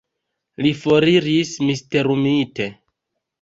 Li foriris, misterumite.